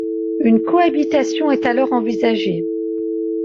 Une cohabitation est alors envisagée.